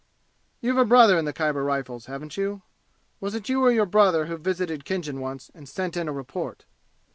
"You've a brother in the Khyber Rifles, haven't you? Was it you or your brother who visited Khinjan once and sent in a report?"